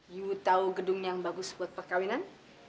yu tau gedung yang bagus buat perkawinan